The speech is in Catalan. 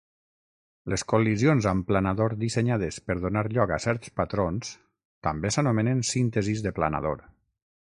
Les col·lisions amb planador dissenyades per donar lloc a certs patrons també s'anomenen síntesis de planador.